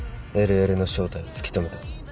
ＬＬの正体を突き止めた。